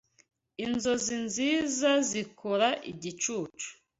Inzozi nziza zikora igicucu